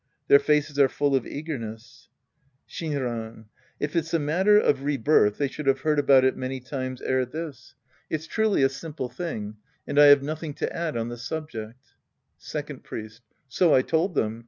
Their faces are full of eagerness. Shinran. If it's the matter of rebirth, they should have heard about it many times ere this. It's truly Act II The Priest and His Disciples 83 a simple thing, and I have notliing to add on the subject. Second Priest. So I told them.